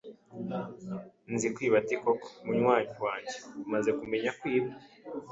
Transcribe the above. Nzikwiba ati Koko munywanyi wanjye umaze kumenya kwiba